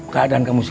keadaan kamu sendiri